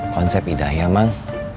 konsep idah ya mang